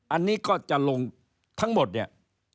อันนี้ก็จะลงทั้งหมดเนี่ย